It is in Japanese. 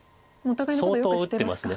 お互いのことをよく知ってますか。